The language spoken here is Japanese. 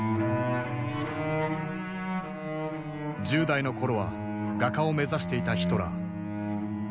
１０代の頃は画家を目指していたヒトラー。